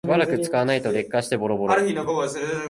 しばらく使わないと劣化してボロボロ